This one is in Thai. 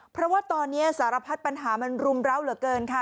เพราะว่าตอนนี้สารพัดปัญหามันรุมร้าวเหลือเกินค่ะ